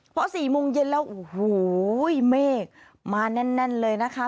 เพราะสี่โมงเย็นแล้วโอ้โหเมฆมาแน่นแน่นเลยนะคะ